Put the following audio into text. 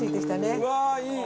うわーいい！